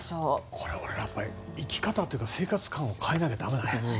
これ、生き方というか生活観を変えないと駄目だね。